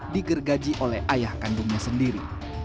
digergaji oleh ayah kandungnya sendiri